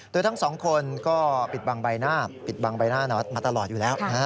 โดยทั้งสองคนก็ปิดบังใบหน้าปิดบังใบหน้าน็อตมาตลอดอยู่แล้ว